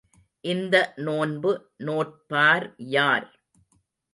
இந்த நோன்பு நோற்பார் யார்?